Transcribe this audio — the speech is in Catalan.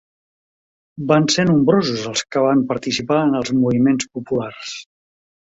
Van ser nombrosos els que van participar en els moviments populars.